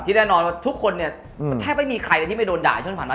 แน่นอนว่าทุกคนเนี่ยแทบไม่มีใครเลยที่ไม่โดนด่าช่วงผ่านมา